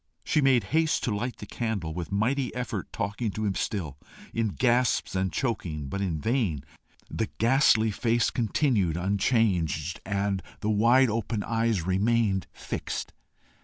She made haste to light the candle, with mighty effort talking to him still, in gasps and chokings, but in vain; the ghastly face continued unchanged, and the wide open eyes remained fixed.